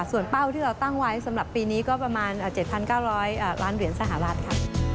ส่วนเป้าที่เราตั้งไว้สำหรับปีนี้ก็ประมาณ๗๙๐๐ล้านเหรียญสหรัฐค่ะ